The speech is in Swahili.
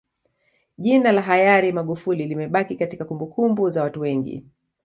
jina la hayari magufuli limebaki katika kumbukumbu za watu wengi